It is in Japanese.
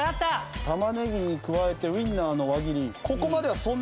玉ねぎに加えてウィンナーの輪切り。